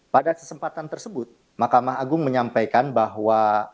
pada kesempatan tersebut mahkamah agung menyampaikan bahwa